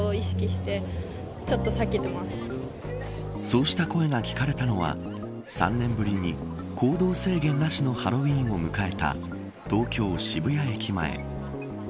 そうした声が聞かれたのは３年ぶりに行動制限なしのハロウィーンを迎えた東京、渋谷駅前。